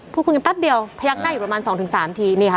คุยกันแป๊บเดียวพยักหน้าอยู่ประมาณ๒๓ทีนี่ค่ะ